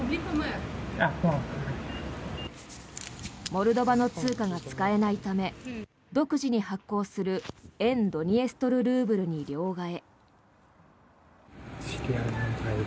モルドバの通貨が使えないため独自に発行する沿ドニエストル・ルーブルに両替。